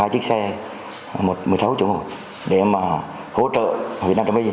hai chiếc xe một xe một mươi sáu chủ ngồi để mà hỗ trợ huyện an trâm y